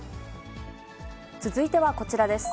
続いてはこちらです。